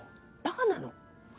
バカなの？